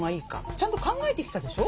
ちゃんと考えてきたでしょ？